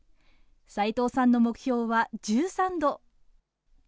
齋藤さんの目標は、１３度。